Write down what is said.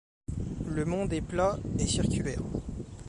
Le Monde est plat et circulaire.